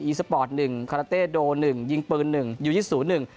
สปอร์ตหนึ่งคาราเต้โดหนึ่งยิงปืนหนึ่งยูยิสศูนย์หนึ่ง